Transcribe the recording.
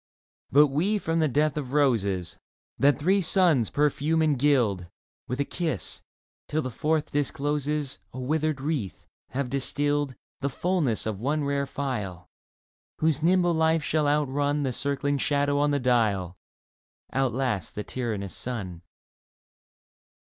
But we from the death of roses That three suns perfume and gild With a kiss, till the fourth discloses A withered wreath, have distilled The fulness of one rare phial, Whose nimble life shall outrun The circling shadow on the dial. Outlast the tyrannous sun.